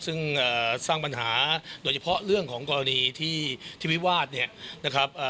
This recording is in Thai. ซึ่งสร้างปัญหาโดยเฉพาะเรื่องของกรณีที่วิวาสเนี่ยนะครับ